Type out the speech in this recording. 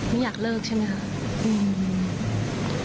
ไม่อยากเลิกใช่ไหมคะ